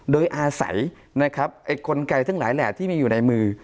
โดยอาศัยคนไกลทั้งหลายแหละที่มีอยู่ในมือ